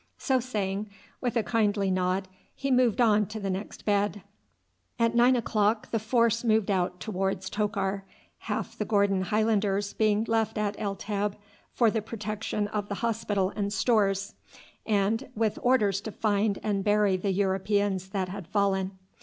So saying, with a kindly nod he moved on to the next bed. At nine o'clock the force moved out towards Tokar, half the Gordon Highlanders being left at El Teb for the protection of the hospital and stores, and with orders to find and bury the Europeans that had fallen.